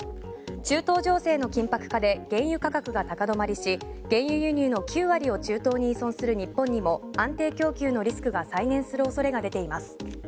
中東情勢の緊迫化で原油価格が高止まりし原油輸入の９割を中東に依存する日本にも安定供給のリスクが再燃する恐れが出ています。